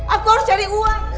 aku harus cari uang